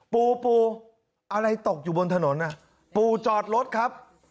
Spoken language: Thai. ปูปูอะไรตกอยู่บนถนนปู่จอดรถครับ